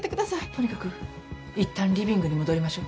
とにかく一旦リビングに戻りましょ。